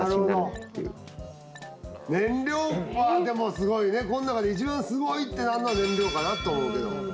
燃料はすごいねこの中で一番すごいってなるのが燃料かなと思うけど。